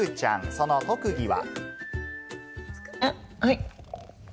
その特技は。